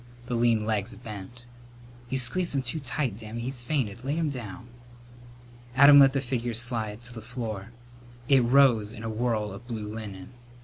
The lean legs bent. "You squeezed him too tight, Dammy. He's fainted. Lay him down." Adam let the figure slide to the floor. It rose in a whirl of blue linen. Mrs.